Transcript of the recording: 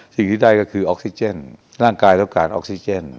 สิ่งที่ได้ก็คือออกซิเจนร่างกายต้องการออกซิเจน